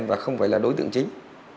và không phải là đối tượng chính